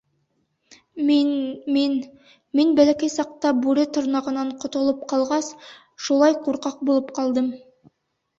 — Мин... мин... мин бәләкәй саҡта бүре тырнағынан ҡотолоп ҡалғас, шулай ҡурҡаҡ булып ҡалдым.